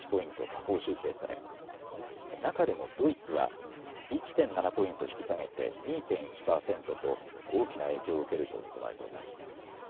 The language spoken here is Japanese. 下方修正され中でもドイツは１．７ポイント引き下げて２．１％と大きな影響を受けると見込まれています。